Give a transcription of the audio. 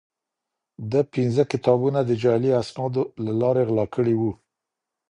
ده پنځه کتابونه د جعلي اسنادو له لارې غلا کړي وو.